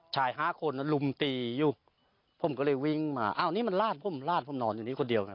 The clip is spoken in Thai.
ชายห้าคนลุมตีอยู่ผมก็เลยวิ่งมาอ้าวนี่มันลาดผมลาดผมนอนอยู่นี่คนเดียวครับ